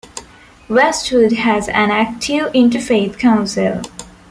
Westwood has an active Interfaith Council.